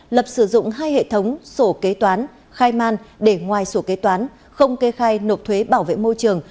lập sử dụng hai hệ thống sổ kế toán khai man để ngoài sổ kế toán không kê khai nộp thuế bảo vệ môi trường